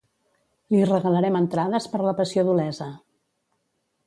Li regalarem entrades per la Passió d'Olesa.